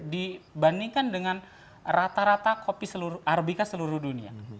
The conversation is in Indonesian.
dibandingkan dengan rata rata kopi arabica seluruh dunia